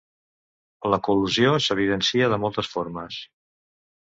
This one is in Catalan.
La col·lusió s"evidencia de moltes formes.